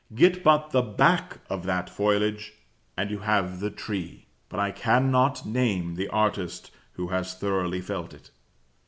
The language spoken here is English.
Get but the back of that foliage, and you have the tree; but I cannot name the artist who has thoroughly felt it.